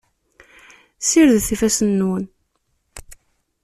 Sirdet ifassen-nwen.